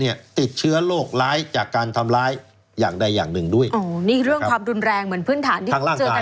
นี่เรื่องความรุนแรงเหมือนพื้นฐานที่เจอกันบ่อย